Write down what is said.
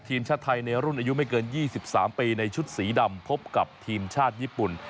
ทีมชาติไทยในรุ่นอายุไม่เกิน๒๓ปีในชุดสีดำพบกับทีมชาติญี่ปุ่น